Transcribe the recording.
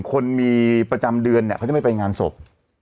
คนมีประจำเดือนเนี่ยเขาจะไม่ไปงานศพ